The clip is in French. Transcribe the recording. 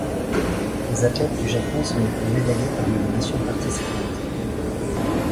Les athlètes du Japon sont les plus médaillés parmi les nations participantes.